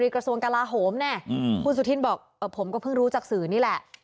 คุณสุธินบอกผมก็เพิ่งรู้จากสื่อนี่แหละ